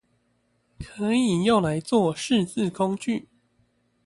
可以用來做識字工具